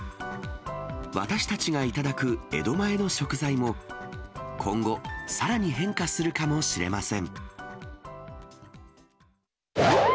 私たちが頂く江戸前の食材も、今後、さらに変化するかもしれません。